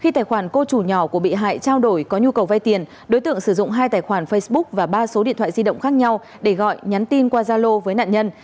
khi tài khoản cô chủ nhỏ của bị hại trao đổi có nhu cầu vay tiền đối tượng sử dụng hai tài khoản facebook và ba số điện thoại di động khác nhau để gọi nhắn tin qua gia lô với nạn nhân